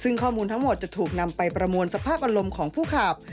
ซึ่งข้อมูลทั้งหมดจะถูกนำไปประมวลสภาพอารมณ์ของผู้ขับ